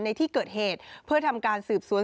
ในที่เกิดเหตุเพื่อทำการสืบสวน